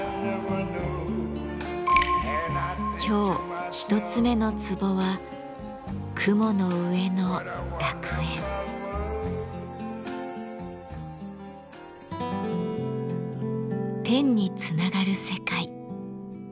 今日一つ目のツボは天につながる世界。